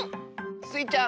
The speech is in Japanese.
スイちゃん！